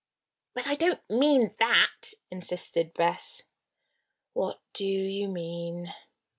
"But I don't mean that," insisted Bess. "What do you mean?"